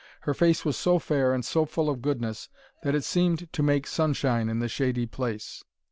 Her face was so fair and so full of goodness that it seemed to make sunshine in the shady place.